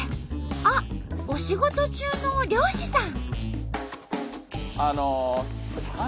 あっお仕事中の漁師さん。